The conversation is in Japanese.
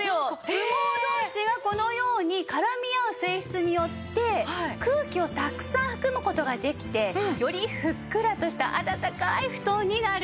羽毛同士がこのように絡み合う性質によって空気をたくさん含む事ができてよりふっくらとした暖かい布団になるんです。